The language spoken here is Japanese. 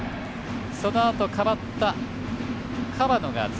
そのあと、代わった河野が０。